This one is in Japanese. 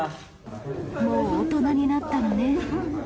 もう大人になったのね。